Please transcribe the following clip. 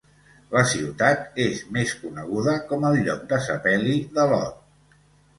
La ciutat és més coneguda com el lloc de sepeli de Lot.